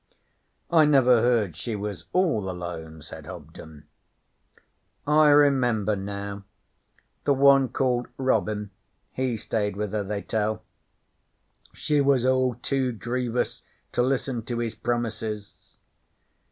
'I never heard she was all alone,' said Hobden. 'I remember now. The one called Robin, he stayed with her, they tell. She was all too grievious to listen to his promises.'